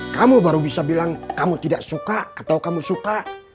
kamu baru bisa bilang kamu tidak suka atau kamu suka